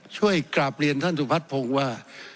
ช่วยกราบเรียนท่านสุพัฒน์พงศ์ว่า